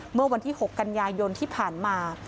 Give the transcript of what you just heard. เมื่อวันที่๖กันยายนที่ผ่านมา